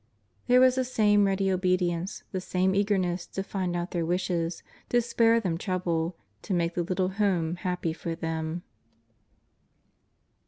There was the same ready obedience, the same eagerness to find out their wishes, to spare them trouble, to make the little home happy for them.